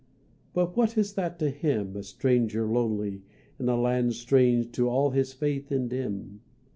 But what is that to him, a stranger lonely, In a land strange to all his faith and dim?